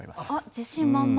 自信満々。